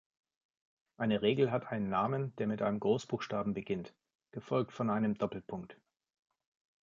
Eine Regel hat einen Namen, der mit einem Großbuchstaben beginnt, gefolgt von einem Doppelpunkt.